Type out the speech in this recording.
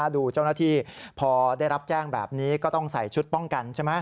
ดูเจ้าหน้าที่พอได้รับแจ้งแบบนี้ก็ต้องใส่ชุดป้องกันใช่ไหม